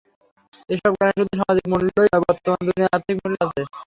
এসব জ্ঞানের শুধু সামাজিক মূল্যই নয়, বর্তমান দুনিয়ায় আর্থিক মূল্যও আছে।